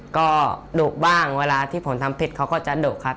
ก็ดุบ้างเวลาที่ผมทำผิดเขาก็จะดุครับ